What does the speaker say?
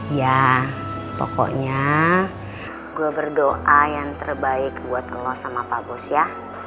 ya pokoknya gue berdoa yang terbaik buat allah sama pak bos ya